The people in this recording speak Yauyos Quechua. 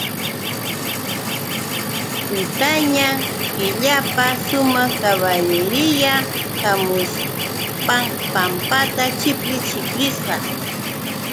Tutaña killapa sumaq kaballiriya hamukushpam pampata chipli chiplishpa.